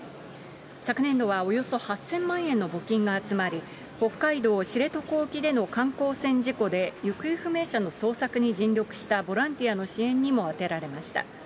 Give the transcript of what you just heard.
昨年度はおよそ８０００万円の募金が集まり、北海道知床沖での観光船事故で行方不明者の捜索に尽力したボランティアの支援にも充てられました。